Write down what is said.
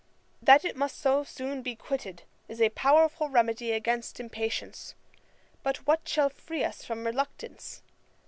That it must be so soon quitted, is a powerful remedy against impatience; but what shall free us from reluctance?